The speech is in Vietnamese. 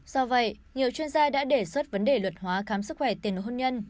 do vậy nhiều chuyên gia đã đề xuất vấn đề luật hóa khám sức khỏe tiền hôn nhân